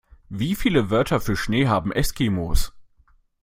Wie viele Wörter für Schnee haben Eskimos?